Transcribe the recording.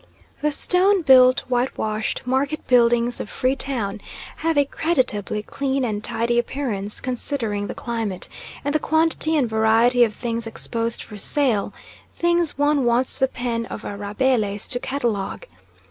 The stone built, white washed market buildings of Free Town have a creditably clean and tidy appearance considering the climate, and the quantity and variety of things exposed for sale things one wants the pen of a Rabelais to catalogue.